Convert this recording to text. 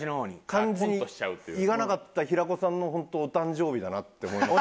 感じに言わなかった平子さんのホントお誕生日だなって思います。